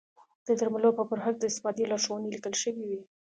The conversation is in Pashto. د درملو پر بکس د استفادې لارښوونې لیکل شوې وي.